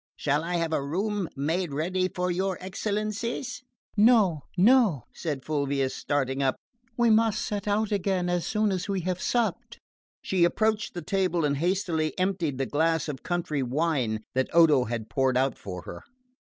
Shall I have a room made ready for your excellencies?" "No, no," said Fulvia, starting up. "We must set out again as soon as we have supped." She approached the table and hastily emptied the glass of country wine that Odo had poured out for her.